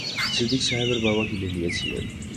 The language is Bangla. সিদ্দিক সাহেবের বাবা কিনে নিয়েছিলেন।